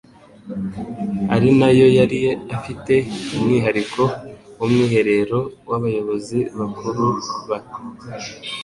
ari nayo yari ifite umwihariko w'umwiherero w'Abayobozi bakuru b